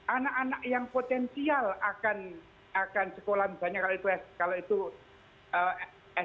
anak anak yang potensial akan sekolah misalnya kalau itu sd